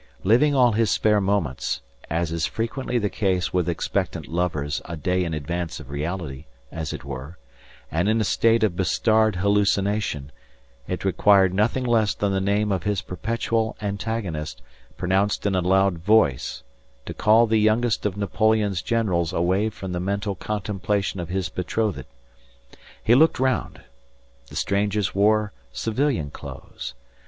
Living all his spare moments, as is frequently the case with expectant lovers a day in advance of reality, as it were, and in a state of bestarred hallucination, it required nothing less than the name of his perpetual antagonist pronounced in a loud voice to call the youngest of Napoleon's generals away from the mental contemplation of his betrothed. He looked round. The strangers wore civilian clothes.